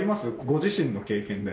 ご自身の経験で。